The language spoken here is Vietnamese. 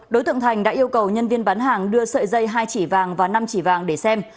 đối tượng thành đã yêu cầu nhân viên bán hàng đưa sợi dây hai chỉ vàng và năm chỉ vàng để xem